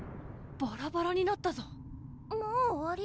ばらばらになったぞもう終わり？